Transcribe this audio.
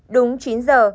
đúng chín giờ